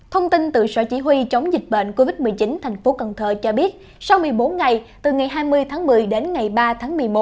thông tin từ sở chỉ huy chống dịch bệnh covid một mươi chín thành phố cần thơ cho biết sau một mươi bốn ngày từ ngày hai mươi tháng một mươi đến ngày ba tháng một mươi một